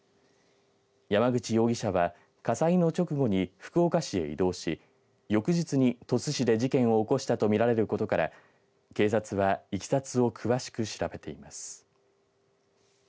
山口容疑者は火災の直後に福岡市へ移動し翌日に鳥栖市で事件を起こしたとみられることから警察はいきさつを詳しく調べています。